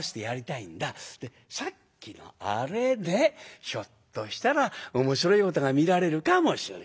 さっきのアレでひょっとしたら面白いことが見られるかもしれない。